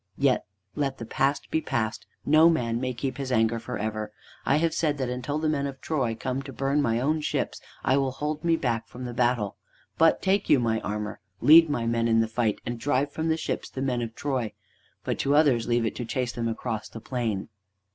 Yet let the past be past; no man may keep his anger for ever. I have said that until the men of Troy come to burn my own ships I will hold me back from the battle. But take you my armor; lead my men in the fight, and drive from the ships the men of Troy. But to others leave it to chase them across the plain."